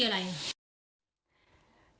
และคดีอะไร